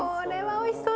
おいしそう。